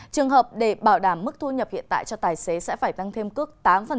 trường hợp để bảo đảm mức thu nhập hiện tại cho tài xế sẽ phải tăng thêm cước tám